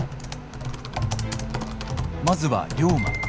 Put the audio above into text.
まずは龍馬。